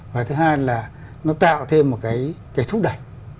và thứ hai là nó tạo thêm một cái thúc đẩy